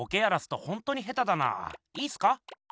いいすか？